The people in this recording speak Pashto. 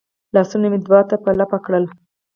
لاسونه مې دعا ته لپه کړل.